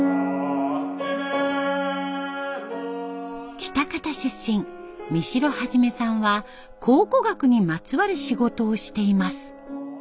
喜多方出身三城肇さんは考古学にまつわる仕事をしています。